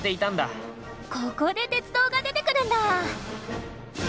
ここで鉄道が出てくるんだ！